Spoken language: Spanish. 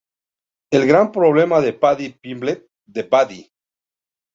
Mario Testino entonces la contrató para una campaña de Burberry junto a Kate Moss.